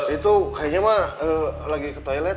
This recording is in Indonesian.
itu kayaknya mah lagi ke toilet